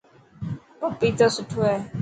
پپيتو سٺو هي.